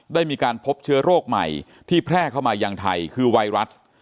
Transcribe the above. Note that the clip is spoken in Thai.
ได้มีการพบเชื้อโรคใหม่ที่แพร่เข้ามายังไทยคือไวรัส